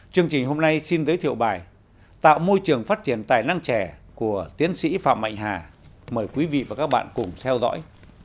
chương trình hôm nay xin giới thiệu bài tạo môi trường phát triển tài năng trẻ của tiến sĩ phạm mạnh hà mời quý vị và các bạn cùng theo dõi